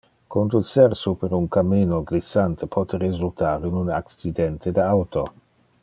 Conducer super un cammino glissante pote resultar in un accidente de auto.